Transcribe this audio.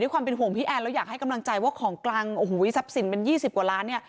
ความเป็นห่วงพี่แอนแล้วอยากให้กำลังใจว่าของกลางโอ้โหทรัพย์สินเป็น๒๐กว่าล้านเนี่ย